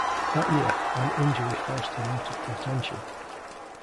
That year, an injury forced him out of contention.